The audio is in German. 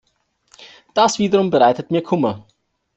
Das wiederum bereitet mir Kummer!